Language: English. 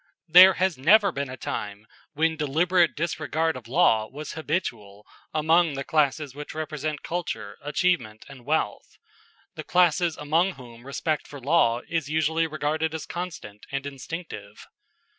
There has never been a time when deliberate disregard of law was habitual among the classes which represent culture, achievement, and wealth the classes among whom respect for law is usually regarded as constant and instinctive.